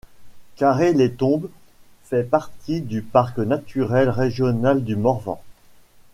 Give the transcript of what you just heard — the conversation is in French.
Quarré-les-Tombes fait partie du parc naturel régional du Morvan.